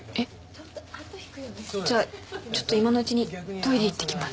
じゃあちょっと今のうちにトイレ行ってきます。